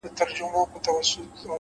علم د انسان باور لوړوي،